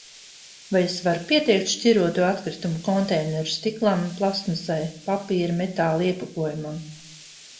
Vai es varu pieteikt šķiroto atkritumu konteineru stiklam un plastmasa, papīra, metāla iepakojumam?